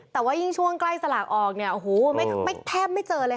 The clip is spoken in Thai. แต่ว่ายิ่งช่วงใกล้สลากออกเนี่ยโอ้โหแทบไม่เจอเลยค่ะ